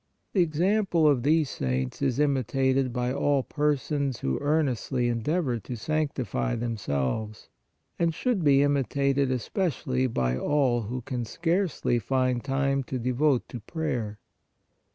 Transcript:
The example of these saints is imitated by all persons who earnestly en deavor to sanctify themselves, and should be imi tated especially by all w r ho can scarcely find time to devote to prayer.